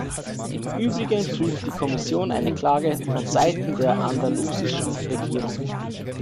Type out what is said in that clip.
Im Übrigen prüft die Kommission eine Klage von Seiten der andalusischen Regierung.